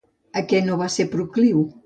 A què no va ser procliu?